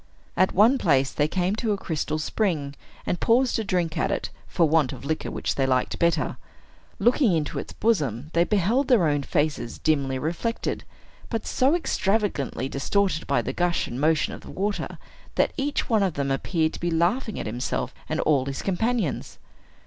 At one place they came to a crystal spring, and paused to drink at it for want of liquor which they liked better. Looking into its bosom, they beheld their own faces dimly reflected, but so extravagantly distorted by the gush and motion of the water, that each one of them appeared to be laughing at himself and all his companions.